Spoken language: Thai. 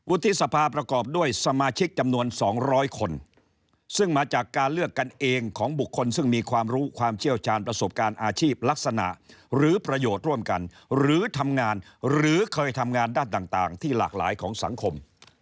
ที่สภาประกอบด้วยสมาชิกจำนวน๒๐๐คนซึ่งมาจากการเลือกกันเองของบุคคลซึ่งมีความรู้ความเชี่ยวชาญประสบการณ์อาชีพลักษณะหรือประโยชน์ร่วมกันหรือทำงานหรือเคยทำงานด้านต่างที่หลากหลายของสังคม